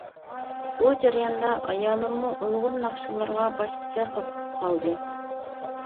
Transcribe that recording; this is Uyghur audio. بۇ جەرياندا ئايالىممۇ ئۇيغۇر ناخشىلىرىغا باشقىچە قىزىقىپ قالدى.